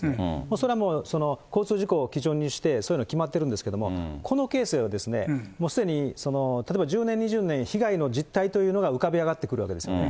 それはもう交通事故を基準にしてそういうのは決まっているんですけれども、このケースでは、もうすでに、例えば１０年、２０年、被害の実態というのが浮かび上がってくるわけですね。